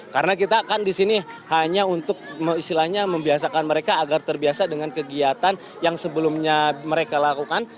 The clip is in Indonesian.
karena kita kan disini hanya untuk istilahnya membiasakan mereka agar terbiasa dengan kegiatan yang sebelumnya mereka lakukan